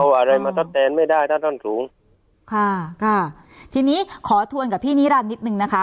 เอาอะไรมาทดแทนไม่ได้ถ้าต้นสูงค่ะค่ะทีนี้ขอทวนกับพี่นิรันดินิดนึงนะคะ